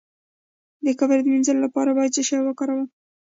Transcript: د کبر د مینځلو لپاره باید څه شی وکاروم؟